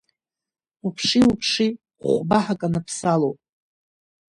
Уԥши, уԥши, хә-баҳак аныԥсалоуп!